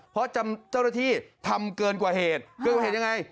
เพราะจำเจ้าหน้าที่ทำเกินกว่าเหตุเกินกว่าเหตุยังไง